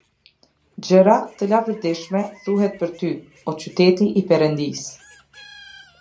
Gjëra të lavdishme thuhen për ty, o qytet i Perëndisë.